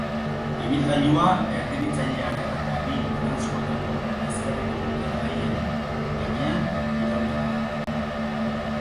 Ibilgailua erdibitzailearen eta bi noranzkoetako ezkerreko erreien gainean irauli da.